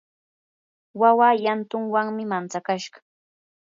wawa llantunwanmi mantsakashqa.